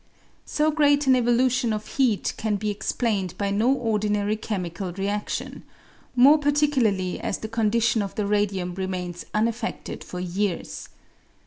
So great an evolution of heat can be explained by no ordinary chemical reaction, more particularly as the condition of the radium remains un affeded for years.